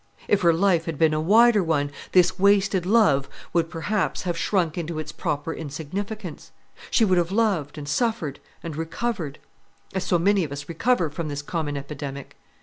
If her life had been a wider one, this wasted love would, perhaps, have shrunk into its proper insignificance; she would have loved, and suffered, and recovered; as so many of us recover from this common epidemic.